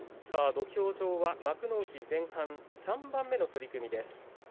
土俵上は幕内前半戦３番目の取組です。